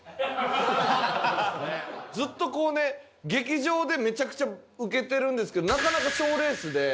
ずっとこうね劇場でめちゃくちゃウケてるんですけどなかなか賞レースで。